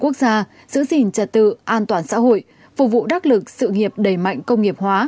quốc gia giữ gìn trật tự an toàn xã hội phục vụ đắc lực sự nghiệp đẩy mạnh công nghiệp hóa